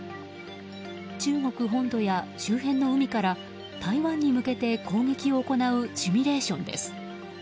中国本土や周辺の海から台湾に向けて攻撃を行うシミュレーションです。